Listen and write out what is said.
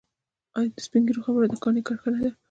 آیا د سپین ږیرو خبره د کاڼي کرښه نه ده؟